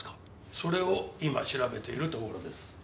それを今調べているところです。